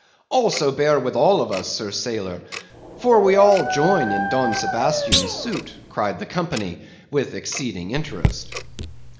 "'Also bear with all of us, sir sailor; for we all join in Don Sebastian's suit,' cried the company, with exceeding interest.